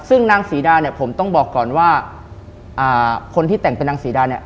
ซึ่งนางศรีดาเนี่ยผมต้องบอกก่อนว่าคนที่แต่งเป็นนางศรีดาเนี่ย